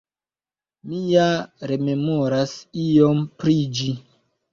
Mi ja rememoras iom pri ĝi.